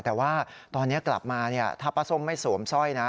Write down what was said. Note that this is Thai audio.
แต่ว่าตอนนี้กลับมาถ้าป้าส้มไม่สวมสร้อยนะ